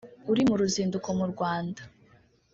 uri mu ruzinduko mu Rwanda